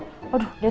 kenalan dulu dong